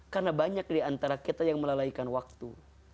karena banyak diantara kita yang melalaikan waktu